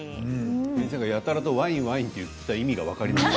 先生がやたらとワイン、ワインと言っていた意味が分かります。